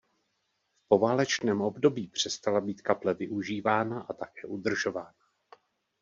V poválečném období přestala být kaple využívána a také udržována.